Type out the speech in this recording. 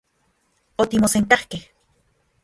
Otimosenkajkej.